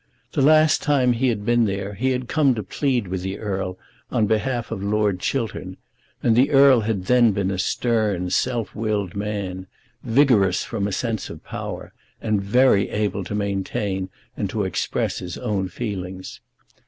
The last time he had been there he had come to plead with the Earl on behalf of Lord Chiltern, and the Earl had then been a stern self willed man, vigorous from a sense of power, and very able to maintain and to express his own feelings.